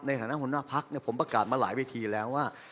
ในฐานะหัวหน้าพรรคเนี้ยผมประกาศมาหลายวิธีแล้วว่า